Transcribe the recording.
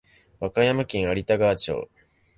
和歌山県有田川町